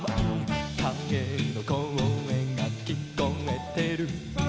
「かげのこえがきこえてる」